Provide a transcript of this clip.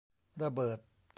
ระเบิด